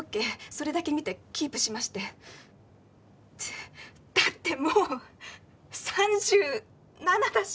それだけ見てキープしましてだってもう３７だし